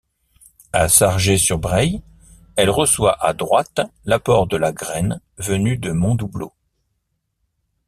À Sargé-sur-Braye, elle reçoit à droite l'apport de la Grenne venue de Mondoubleau.